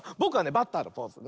バッターのポーズ。